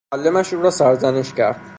معلمش او را سرزنش کرد.